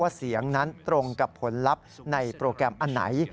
เสียงนั้นตรงกับผลลัพธ์ในโปรแกรมอันไหน